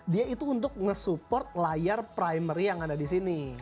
dia itu untuk ngesupport layar primary yang ada di sini